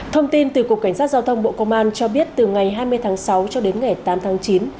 thông tin từ cục cảnh sát giao thông bộ công an cho biết từ ngày hai mươi tháng sáu cho đến ngày tám tháng chín